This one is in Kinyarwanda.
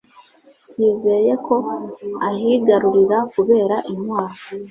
yizeye ko ahigarurira kubera intwaro